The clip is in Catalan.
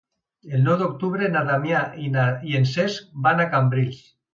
El nou d'octubre na Damià i en Cesc van a Cambrils.